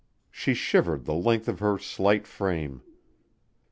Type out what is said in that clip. She shivered the length of her slight frame.